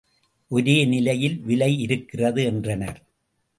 ஒரே நிலையில் விலை இருக்கிறது என்றனர்.